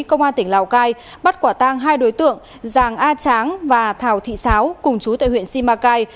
công an tỉnh lào cai bắt quả tang hai đối tượng giàng a tráng và thảo thị xáo cùng chú tại huyện simacai